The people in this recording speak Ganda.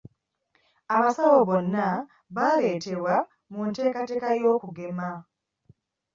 Abasawo bonna baaleetebwa mu nteekateeka y'okugema.